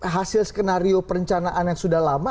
hasil skenario perencanaan yang sudah lama